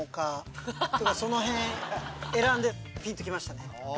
そのへん選んでピンと来ましたね。